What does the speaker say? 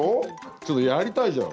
ちょっとやりたいじゃん。